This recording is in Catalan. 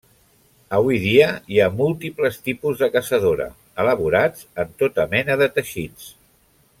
Avui dia hi ha múltiples tipus de caçadora, elaborats en tota mena de teixits.